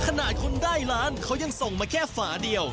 ขนาดคนได้ล้านเขายังส่งมาแค่ฝาเดียว